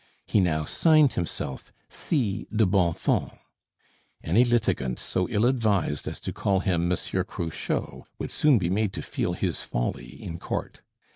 He now signed himself C. de Bonfons. Any litigant so ill advised as to call him Monsieur Cruchot would soon be made to feel his folly in court.